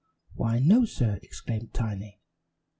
"Why, no, sir," exclaimed Tiny.